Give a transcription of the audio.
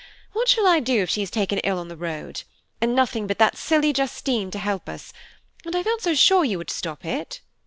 what shall I do if she is taken ill on the road? and nothing but that silly Justine to help us, and I felt so sure you would stop it."